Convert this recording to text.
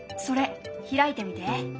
それ開いてみて。